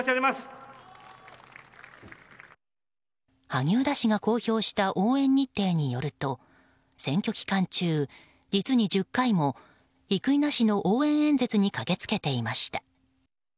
萩生田氏が公表した応援日程によると選挙期間中、実に１０回も生稲氏の応援演説に駆けつけていました。